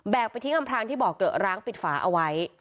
แบกไปที่กำพลังที่บอกเกิดร้างปิดฝาเอาไว้